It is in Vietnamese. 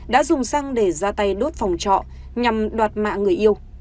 đã dùng xăng để ra tay đốt phòng trọ nhằm đoạt mạng người yêu